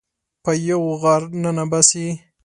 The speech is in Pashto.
په یوه غار ننه باسي